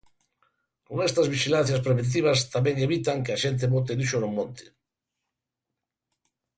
Con estas vixilancias preventivas tamén evitan que a xente bote lixo no monte.